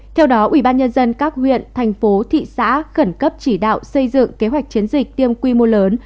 theo đó ubnd các huyện thành phố thị xã khẩn cấp chỉ đạo xây dựng kế hoạch chiến dịch tiêm quy mô lớn